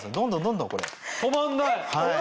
止まんない。